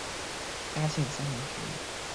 嘉庆三年举人。